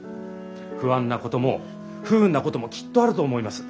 不安なことも不運なこともきっとあると思います。